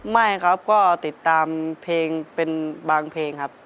ไม่ครับก็ติดตามเพลงเป็นบางเพลงครับ